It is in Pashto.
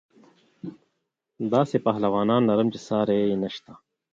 داسې پهلوانان لرم چې ساری یې نشته.